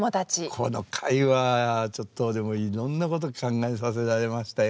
この回はちょっとでもいろんなこと考えさせられましたよ。